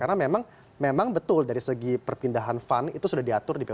karena memang betul dari segi perpindahan fund itu sudah diatur di pojk tujuh puluh tujuh